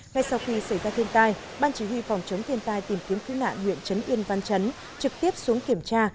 ngay sau khi xảy ra thiên tai ban chỉ huy phòng chống thiên tai tìm kiếm cứu nạn huyện trấn yên văn chấn trực tiếp xuống kiểm tra